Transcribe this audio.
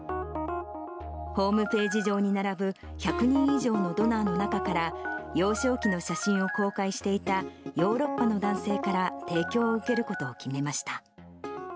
ホームページ上に並ぶ、１００人以上のドナーの中から、幼少期の写真を公開していたヨーロッパの男性から提供を受けることを決めました。